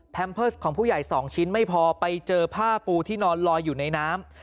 เพิร์สของผู้ใหญ่๒ชิ้นไม่พอไปเจอผ้าปูที่นอนลอยอยู่ในน้ำ